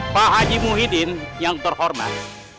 pak haji muhyiddin yang terhormat